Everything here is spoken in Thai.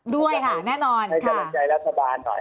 ด้วยค่ะแน่นอนให้กำลังใจรัฐบาลหน่อย